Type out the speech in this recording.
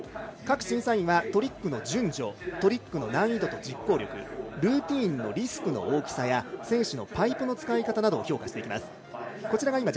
各審査員はトリックの順序トリックの難易度と実行力ルーティンのリスクの大きさ選手のパイプの使い方などを評価していきます。